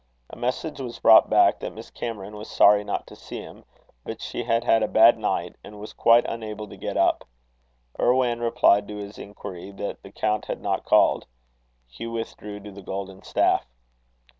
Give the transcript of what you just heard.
A message was brought back that Miss Cameron was sorry not to see him, but she had had a bad night, and was quite unable to get up. Irwan replied to his inquiry, that the count had not called. Hugh withdrew to the Golden Staff.